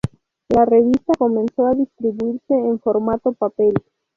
La revista comenzó a distribuirse en formato papel.